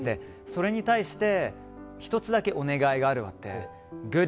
それに対して１つだけお願いがあるわと。